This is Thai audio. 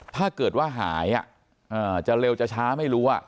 ถ้าเกิดว่าหายจะเร็วจะช้าไม่รู้